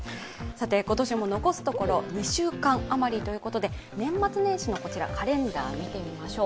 今年も残すところ２週間余りということで年末年始のカレンダーを見てみましょう。